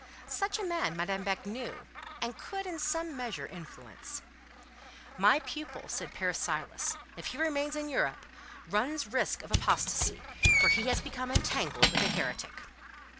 Such a man Madame Beck knew, and could in some measure influence. "My pupil," said Père Silas, "if he remains in Europe, runs risk of apostacy, for he has become entangled with a heretic."